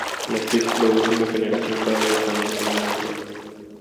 La especie produce una generación cada dos años, según la altura.